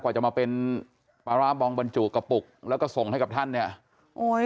จะมาเป็นปลาร้าบองบรรจุกระปุกแล้วก็ส่งให้กับท่านเนี่ยโอ้ย